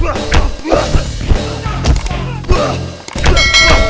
untuk menangnya adalah